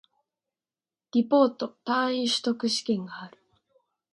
リポート、単位習得試験がある